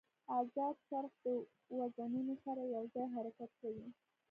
ازاد څرخ د وزنونو سره یو ځای حرکت کوي.